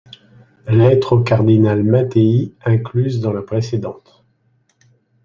Lettre au cardinal Mathei incluse dans la précédente.